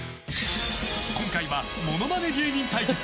今回はものまね芸人対決。